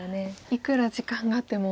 いくら時間があっても。